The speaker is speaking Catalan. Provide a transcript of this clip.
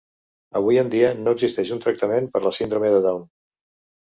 Avui en dia, no existeix un tractament per la Síndrome de Down.